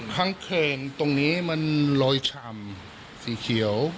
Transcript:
ข้างแข่งตรงนี้มันรอยชำสีเขียว